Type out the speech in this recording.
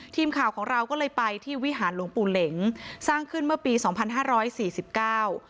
ทีมข่าวของเราก็เลยไปที่วิหารหลวงปู่เหล็งสร้างขึ้นเมื่อปีสองพันห้าร้อยสี่สิบเก้า